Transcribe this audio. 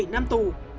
bảy năm tù